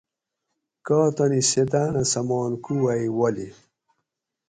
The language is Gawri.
کاٞ تانی سیتاٞنہ سمان کوواٞۓ والی